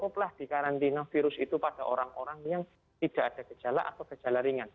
cukuplah di karantina virus itu pada orang orang yang tidak ada gejala atau gejala ringan